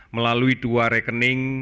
melalui dua rekening